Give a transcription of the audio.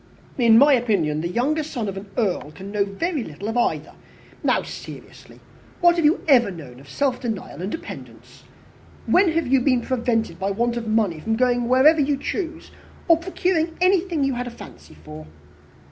"In my opinion, the younger son of an earl can know very little of either. Now, seriously, what have you ever known of self denial and dependence? When have you been prevented by want of money from going wherever you chose or procuring anything you had a fancy for?"